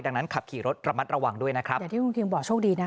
ดังนั้นขับขี่รถระมัดระวังด้วยนะครับอย่างที่คุณทีมบอกโชคดีนะ